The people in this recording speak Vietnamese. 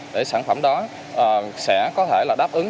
để sản phẩm đó sẽ có thể là đáp ứng